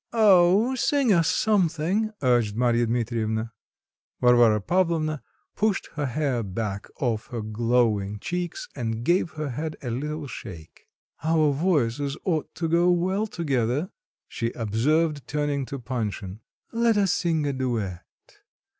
"Oh! sing us something," urged Marya Dmitrievna. Varvara Pavlovna pushed her hair back off her glowing cheeks and gave her head a little shake. "Our voices ought to go well together," she observed, turning to Panshin; "let us sing a duet.